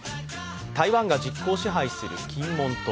台湾が実効支配する金門島